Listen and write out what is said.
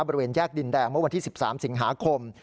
บริเวณแยกดินแดงเมื่อวันที่๑๓สิงหาคม